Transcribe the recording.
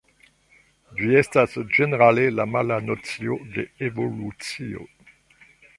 Ĝi estas ĝenerale la mala nocio de «Evolucio».